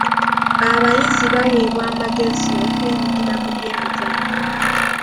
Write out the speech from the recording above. Abayizi baweebwa amagezi okwenyigira mu byemizannyo.